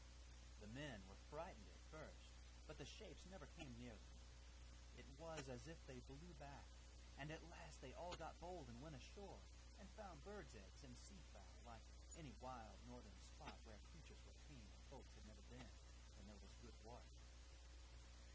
The men were frightened at first, but the shapes never came near them, it was as if they blew back; and at last they all got bold and went ashore, and found birds' eggs and sea fowl, like any wild northern spot where creatures were tame and folks had never been, and there was good water.